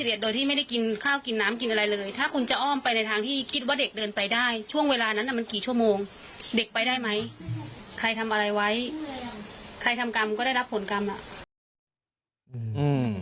ใครทำอะไรไว้ใครทำกรรมก็ได้รับผลกรรมอ่ะอืม